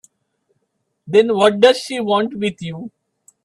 Then what does she want with you?